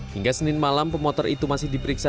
hingga senin malam pemotor itu masih diperiksa